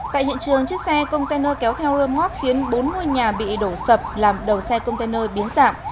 tại hiện trường chiếc xe container kéo theo rơm ngót khiến bốn ngôi nhà bị đổ sập làm đầu xe container biến dạng